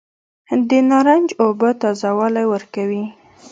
د نارنج اوبه تازه والی ورکوي.